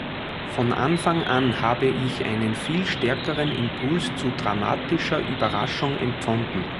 Von Anfang an habe ich einen viel stärkeren Impuls zu dramatischer Überraschung empfunden.